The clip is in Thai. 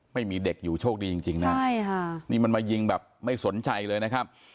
ไม่มีเด็กอยู่โชคดีจริงนะใช่ค่ะนี่มันมายิงแบบไม่สนใจเลยนะครับ